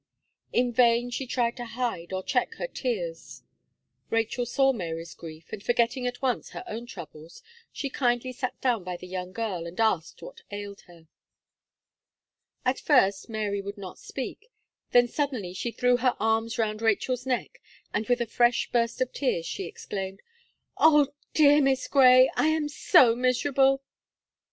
In vain she tried to hide or check her tears; Rachel saw Mary's grief, and forgetting at once her own troubles, she kindly sat down by the young girl, and asked what ailed her. At first, Mary would not speak, then suddenly she threw her arms around Rachel's neck, and with a fresh burst of tears, she exclaimed: "Oh! dear, dear Miss Gray! I am so miserable."